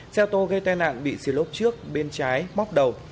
xe ô tô gây tai nạn bị xì lốp trước bên trái móc đầu